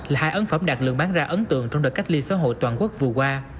là hai ấn phẩm đạt lượng bán ra ấn tượng trong đợt cách ly xã hội toàn quốc vừa qua